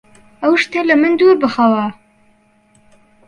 ئەو شتە لە من دوور بخەوە!